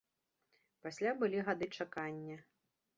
Пасля былі гады чакання.